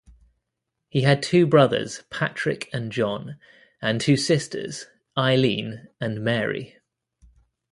He had two brothers Patrick and John, and two sisters, Eileen and Mary.